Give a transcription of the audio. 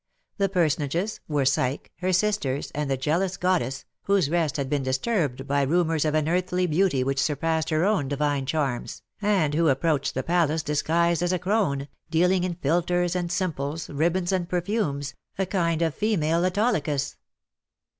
^ The personages were Psyche, her sisters, and the jealous goddess, whose rest had been disturbed by rumours of an earthly beauty which surpassed her own divine charms, and who approached the palace disguised as a crone, dealing in philters and simples, ribbons and perfumes, a kind of female Autolycus.